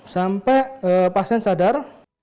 sampai pasien sadar